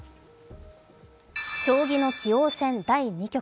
将棋の棋王戦第２局。